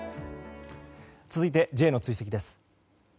続いて、Ｊの追跡です。